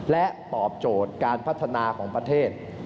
และตอบโจทย์การพัฒนาของประเทศ